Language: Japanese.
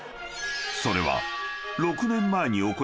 ［それは］